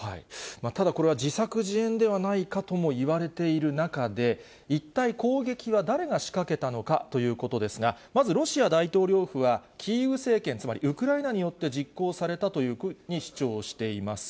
ただこれは自作自演ではないかともいわれている中で、一体攻撃は誰が仕掛けたのかということですが、まずロシア大統領府は、キーウ政権、つまりウクライナによって実行されたというふうに主張しています。